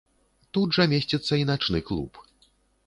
Тут жа месціцца і начны клуб.